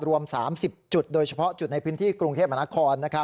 รวม๓๐จุดโดยเฉพาะจุดในพื้นที่กรุงเทพมหานคร